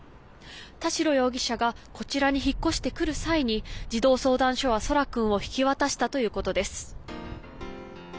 田代容疑者がこちらに引っ越してくる際に児童相談所は、空来君を引き渡したということです。